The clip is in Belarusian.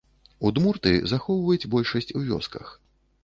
Удмурты захоўваюць большасць у вёсках.